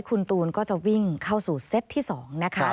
คุณตูนก็จะวิ่งเข้าสู่เซตที่๒นะคะ